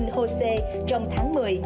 hosea trong tháng một mươi